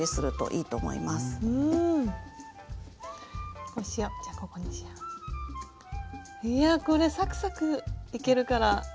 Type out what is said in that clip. いやこれサクサクいけるから。